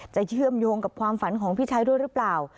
เชื่อมโยงกับความฝันของพี่ชัยด้วยหรือเปล่า